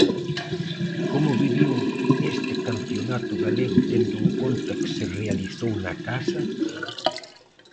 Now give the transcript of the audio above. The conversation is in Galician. Como viviu este Campionato galego tendo en conta que se realizou na casa?